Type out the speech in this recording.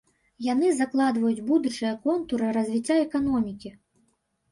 Яны закладваюць будучыя контуры развіцця эканомікі.